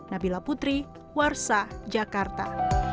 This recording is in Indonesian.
nabila putri warsa jakarta